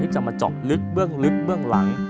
ที่จะมาจอกลึกลึกลัง